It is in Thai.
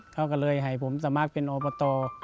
เขาก็เลยให้ผมสมัครเป็นอบต